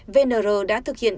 vnr đã thực hiện